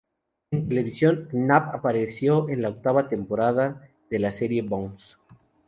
En televisión, Knapp apareció en la octava temporada de la serie "Bones".